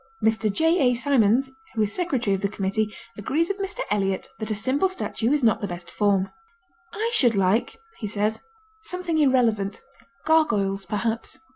Mr. J.A. Symonds, who is secretary of the committee, agrees with Mr. Eliot that a simple statue is not the best form. "I should like," he says, "something irrelevant gargoyles, perhaps."